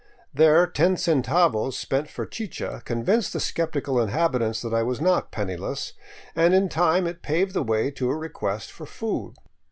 There ten centavos spent for chicha convinced the sceptical inhabitants, that I was not penniless, and in time it paved the way to a request for food.